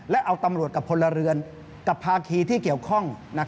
และเอาตำรวจกับพลเรือนกับภาคีที่เกี่ยวข้อง